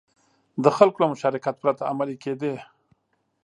د خلکو له مشارکت پرته عملي کېدې.